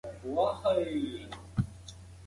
موږ باید د خپلو ماشومانو د غاښونو معاینه وکړو.